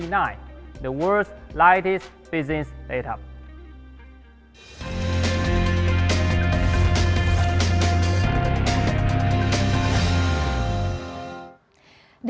data bisnis terbaik di dunia